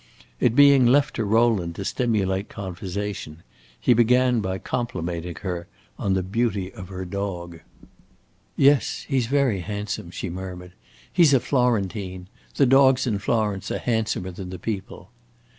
It being left to Rowland to stimulate conversation, he began by complimenting her on the beauty of her dog. "Yes, he 's very handsome," she murmured. "He 's a Florentine. The dogs in Florence are handsomer than the people."